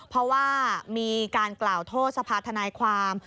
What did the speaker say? เพราะว่ามีการกล่าวโทษสภาธนายความ